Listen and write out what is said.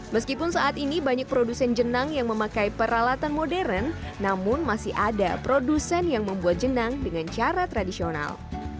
meskipun saat ini banyak produsen jenang yang memakai peralatan modern namun masih ada produsen yang membuat jenang dengan cara tradisional